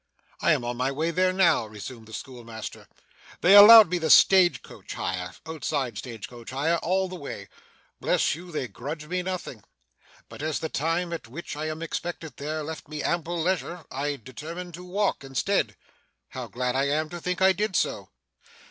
'I am on my way there now,' resumed the schoolmaster. 'They allowed me the stage coach hire outside stage coach hire all the way. Bless you, they grudge me nothing. But as the time at which I am expected there, left me ample leisure, I determined to walk instead. How glad I am, to think I did so!